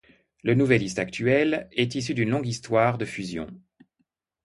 Le Nouvelliste actuel est issu d’une longue histoire de fusions.